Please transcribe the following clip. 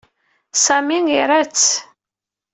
Sami ira-tt.